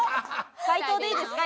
回答でいいですか？